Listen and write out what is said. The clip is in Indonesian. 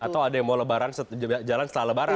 atau ada yang mau lebaran jalan setelah lebaran